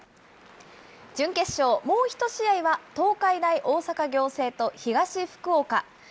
準決勝、もう１試合は東海大大阪仰星と、東福岡。